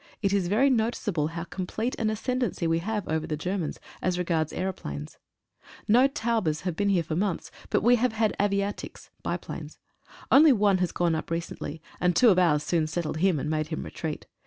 It is very noticeable how complete an ascen dency we have over the Germans, as regards aeroplanes. No Taubes have been here for months, but we have had aviatiks (biplanes). Only one has gone up recently, and two of ours soon settled him, and made him retreat.